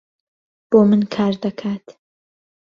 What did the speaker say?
بۆ من کار دەکات.